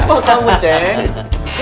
sama sama kamu ceng